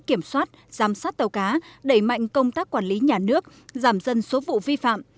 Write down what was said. kiểm soát giám sát tàu cá đẩy mạnh công tác quản lý nhà nước giảm dân số vụ vi phạm